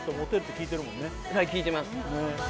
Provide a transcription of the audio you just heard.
はい聞いてます